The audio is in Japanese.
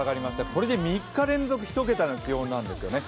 これで３日連続１桁の気温なんですよね。